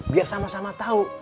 biar sama sama tahu